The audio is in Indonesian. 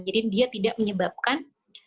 jadi dia tidak menyebabkan